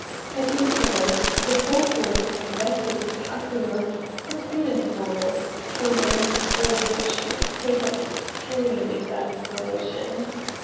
At intervals the fog horns of vessels passing us, but hidden from us, tormented Aldrich to a state of extreme exasperation.